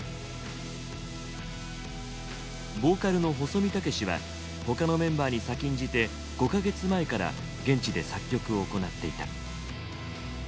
ボーカルの細美武士は他のメンバーに先んじて５か月前から現地で作曲を行っていた。